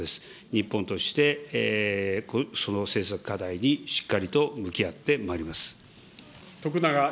日本として、その政策課題にしっかりと向き合ってまいります。